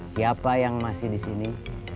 siapa yang masih di sini